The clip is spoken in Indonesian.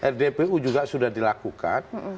rdpu juga sudah dilakukan